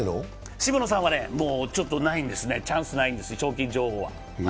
渋野さんはちょっとチャンスないんですね、賞金女王は。